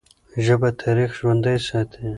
ژبه تاریخ ژوندی ساتي.